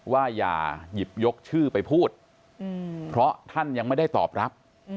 ว่ายาหยิบยกชื่อไปพูดเมื่อท่านไม่ได้ตอบรับ